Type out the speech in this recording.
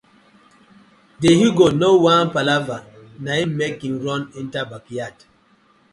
Di he-goat no wan palava na im mek him run enter bakyard.